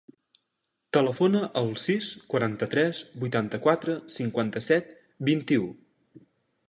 Telefona al sis, quaranta-tres, vuitanta-quatre, cinquanta-set, vint-i-u.